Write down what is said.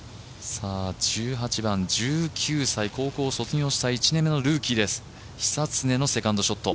１８番、１９歳、高校を卒業した１年目のルーキー、久常のセカンドショット。